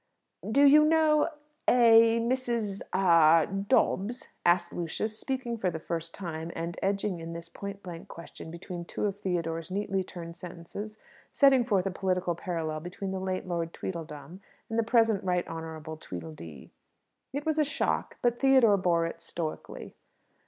"Do you know a Mrs. a Dobbs?" asked Lucius, speaking for the first time, and edging in this point blank question between two of Theodore's neatly turned sentences setting forth a political parallel between the late Lord Tweedledum and the present Right Honourable Tweedledee. It was a shock; but Theodore bore it stoically.